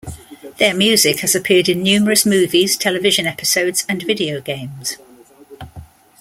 Their music has appeared in numerous movies, television episodes, and video games.